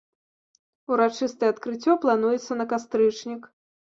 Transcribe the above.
Урачыстае адкрыццё плануецца на кастрычнік.